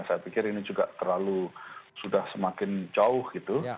saya pikir ini juga terlalu sudah semakin jauh gitu